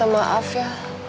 aku mau ke tempatnya